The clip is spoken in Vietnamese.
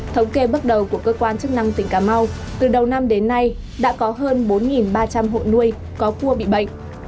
thống kê bước đầu của cơ quan chức năng tỉnh cà mau từ đầu năm đến nay đã có hơn bốn ba trăm linh hộ nuôi có cua bị bệnh